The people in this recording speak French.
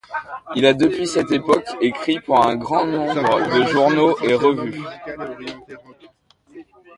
Il a depuis cette époque écrit pour un grand nombre de journaux et revues.